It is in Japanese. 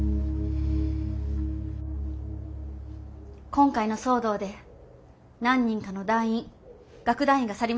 今回の騒動で何人かの団員楽団員が去りました。